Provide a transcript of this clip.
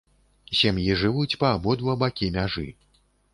Сем'і жывуць па абодва бакі мяжы.